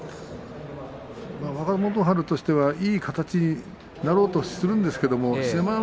若元春としてはいい形になろうとするんですけど志摩ノ